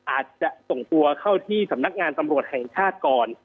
อาจจะส่งตัวเข้าที่สำนักงานตำรวจแห่งชาติก่อน